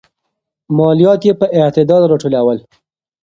ماليات يې په اعتدال راټولول.